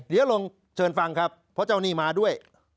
เดี๋ยวลองเชิญฟังครับเพราะเจ้าหนี้มาด้วย